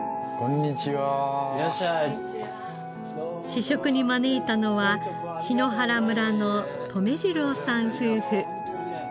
試食に招いたのは檜原村の留次郎さん夫婦。